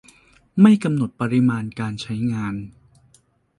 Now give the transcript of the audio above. ไม่กำหนดปริมาณการใช้งาน